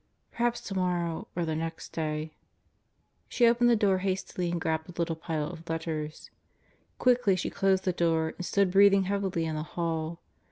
Perhaps tomorrow or the next day ... She opened the door hastily and grabbed the little pile of letters. Quickly she closed the door and stood breathing heavily in the hall.